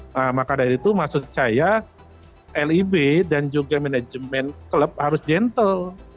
nah maka dari itu maksud saya lib dan juga manajemen klub harus gentle